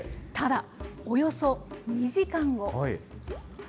ただ、およそ２時間後。